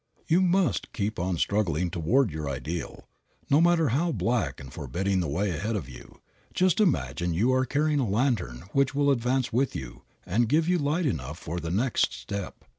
You must keep on struggling toward your ideal. No matter how black and forbidding the way ahead of you, just imagine you are carrying a lantern which will advance with you and give light enough for the next step.